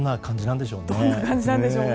どんな感じなんでしょうね。